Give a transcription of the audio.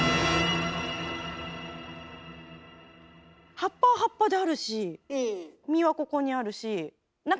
葉っぱは葉っぱであるし実はここにあるし。